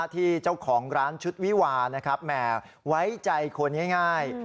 ที่เจ้าของร้านชุดวิวานะครับแหมไว้ใจคนง่าย